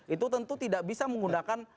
itu tentu tidak bisa menggunakan